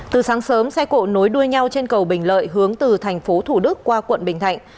từ sáng sớm xe cộ nối đuôi nhau trên cầu bình lợi hướng từ thành phố thủ đức qua quận bình thạnh